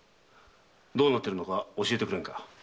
どうなっているのか教えてくれんか。